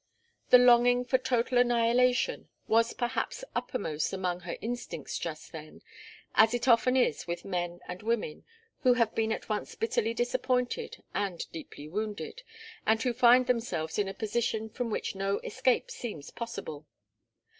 The longing for total annihilation was perhaps uppermost among her instincts just then, as it often is with men and women who have been at once bitterly disappointed and deeply wounded, and who find themselves in a position from which no escape seems possible.